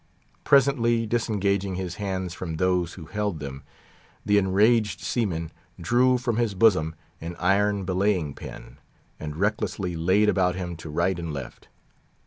Presently, disengaging his hands from those who held them, the enraged seaman drew from his bosom an iron belaying pin, and recklessly laid about him to right and left.